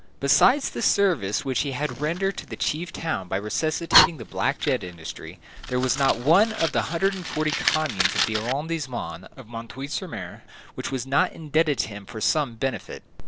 Besides the service which he had rendered to the chief town by resuscitating the black jet industry, there was not one out of the hundred and forty communes of the arrondissement of M. sur M. which was not indebted to him for some benefit.